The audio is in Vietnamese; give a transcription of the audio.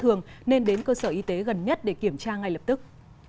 thường nên đến cơ sở y tế gần nhất để kiểm tra ngay lập tức